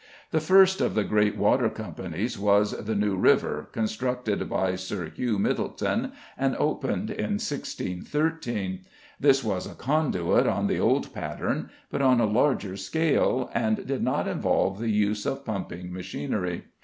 The first of the great water companies was the "New River," constructed by Sir Hugh Myddleton and opened in 1613. This was a conduit on the old pattern, but on a larger scale, and did not involve the use of pumping machinery.